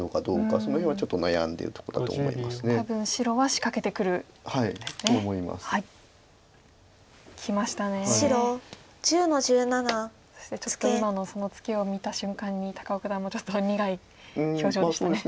そしてちょっと今のそのツケを見た瞬間に高尾九段もちょっと苦い表情でしたね。